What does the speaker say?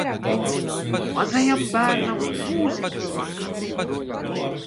Mazajam bērnam mūzikas vakars.